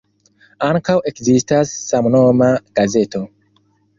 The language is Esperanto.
Ankaŭ ekzistas samnoma gazeto.